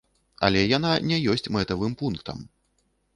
Але яна не ёсць мэтавым пунктам.